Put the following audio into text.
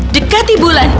dekati bulan cepat